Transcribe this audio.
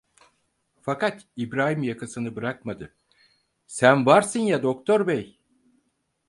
Fakat İbrahim yakasını bırakmadı: "Sen varsın ya, doktor bey…"